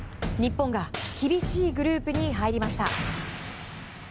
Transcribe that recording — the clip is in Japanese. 日本が厳しいグループに入りました。